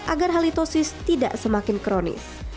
agar halitosis tidak semakin kronis